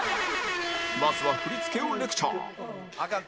まずは振り付けをレクチャー